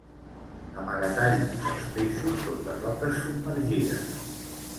Amagatalls dels peixos sota roques submergides.